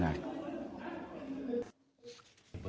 พี่หุยรู้มั้ยเขาทำอะไรอยู่ในห้องนอนในมือถื